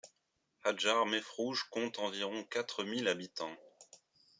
Hadjar Mefrouche compte environ quatre mille habitants.